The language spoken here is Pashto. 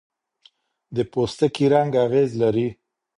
د پوستکي رنګ اغېز لري.